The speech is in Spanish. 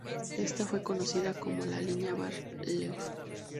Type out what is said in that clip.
Ésta fue conocida como la Línea Bar-Lev.